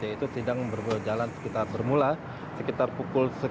yaitu sidang berjalan sekitar bermula sekitar pukul sepuluh